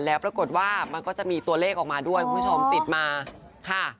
แล้วปรากฏว่ามันก็จะมีตัวเลขออกมาด้วยคุณผู้ชมติดมาค่ะ